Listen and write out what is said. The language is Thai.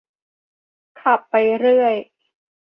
ขับไปเรื่อย